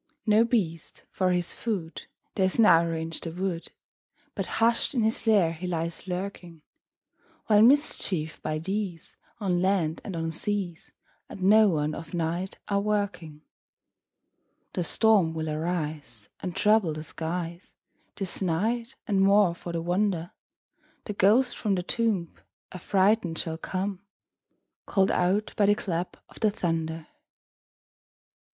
No beast, for his food, Dares now range the wood, But hush'd in his lair he lies lurking; While mischiefs, by these, On land and on seas, At noon of night are a working. The storm will arise, And trouble the skies This night; and, more for the wonder, The ghost from the tomb Affrighted shall come, Call'd out by the clap of the thunder. 43.